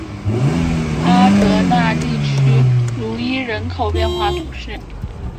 阿戈讷地区茹伊人口变化图示